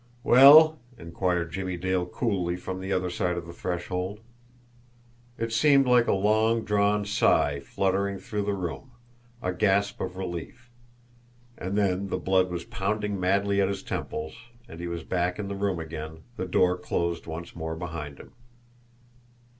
"Well?" inquired Jimmie Dale coolly from the other side of the threshold. It seemed like a long drawn sigh fluttering through the room, a gasp of relief and then the blood was pounding madly at his temples, and he was back in the room again, the door closed once more behind him.